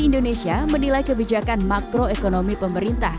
indonesia menilai kebijakan makroekonomi pemerintah